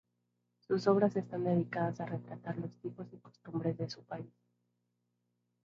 Sus obras están dedicadas a retratar los tipos y costumbres de su país.